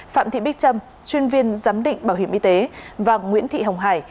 phạm thị bích trâm chuyên viên giám định bảo hiểm y tế và nguyễn thị hồng hải